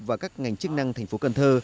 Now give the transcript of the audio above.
và các ngành chức năng thành phố cần thơ